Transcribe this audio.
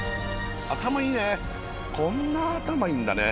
頭いいね。